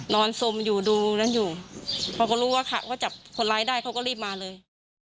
สมอยู่ดูนั้นอยู่พอเขารู้ว่าเขาจับคนร้ายได้เขาก็รีบมาเลย